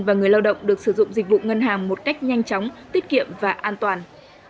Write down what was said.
và người lao động được sử dụng dịch vụ ngân hàng một cách nhanh chóng tiết kiệm và an toàn